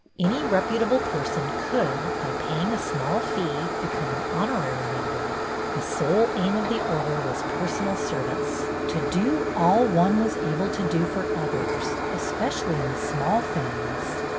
Any reputable person could, by paying a small fee, become an honorary member. The sole aim of the Order was personal service ; to do all one was able to do for others, espe cially in small things.